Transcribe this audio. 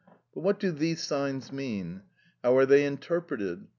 But what do these signs mean? How are they interpreted?